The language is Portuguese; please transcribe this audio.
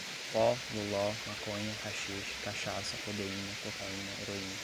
Pó, loló, maconha, haxixe, cachaça, codeína, cocaína, heroína